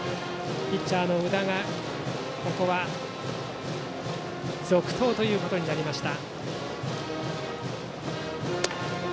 ピッチャーの宇田がここは続投となりました。